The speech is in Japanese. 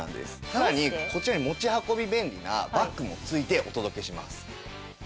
さらにこちらに持ち運び便利なバッグも付いてお届けします。